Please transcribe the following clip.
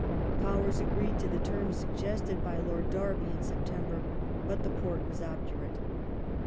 The Powers agreed to the terms suggested by Lord Derby in September, but the Porte was obdurate.